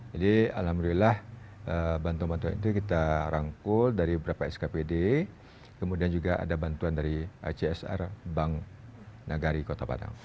jadi alhamdulillah bantuan bantuan itu kita rangkul dari beberapa skpd kemudian juga ada bantuan dari icsr bank nagari kota padang